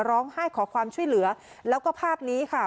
ร้องไห้ขอความช่วยเหลือแล้วก็ภาพนี้ค่ะ